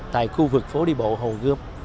tại khu vực phố đi bộ hồ gươm